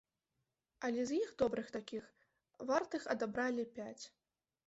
Але з іх добрых такіх, вартых адабралі пяць.